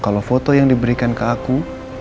kalau foto yang diberikan ke aku